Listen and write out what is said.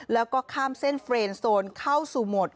แล้วก็ข้ามเส้นเฟรนโซนเข้าสู่โหมด